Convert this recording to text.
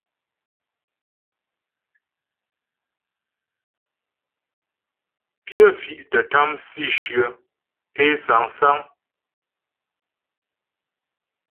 Pyə fì̀' tə́ tâm sǐshyə té sâŋsáŋ.